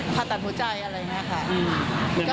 ผ่าตัดหัวใจอะไรอย่างนี้ค่ะ